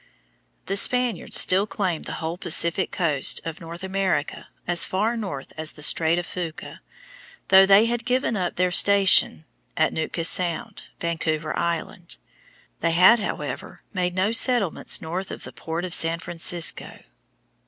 The Spaniards still claimed the whole Pacific coast of North America as far north as the Strait of Fuca, though they had given up their station at Nootka Sound, Vancouver Island. They had, however, made no settlements north of the port of San Francisco.